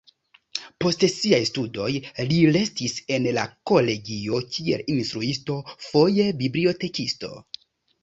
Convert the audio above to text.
Post siaj studoj li restis en la kolegio kiel instruisto, foje bibliotekisto.